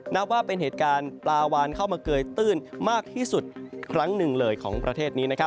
นับว่าเป็นเหตุการณ์ปลาวานเข้ามาเกยตื้นมากที่สุดครั้งหนึ่งเลยของประเทศนี้